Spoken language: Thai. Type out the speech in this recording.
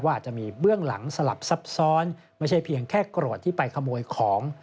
อาจจะมีเบื้องหลังสลับซับซ้อนไม่ใช่เพียงแค่โกรธที่ไปขโมยของ